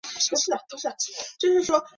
崇祯十三年因巡城坠马而卒。